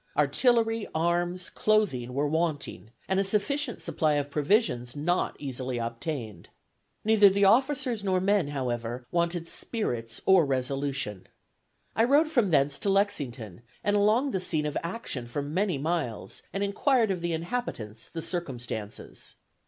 Artillery, arms, clothing were wanting, and a sufficient supply of provisions not easily obtained. Neither the officers nor men, however, wanted spirits or resolution. I rode from thence to Lexington, and along the scene of action for many miles, and inquired of the inhabitants the circumstances.